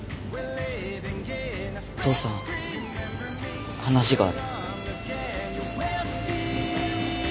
父さん話がある。